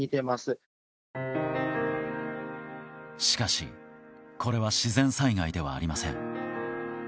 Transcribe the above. しかし、これは自然災害ではありません。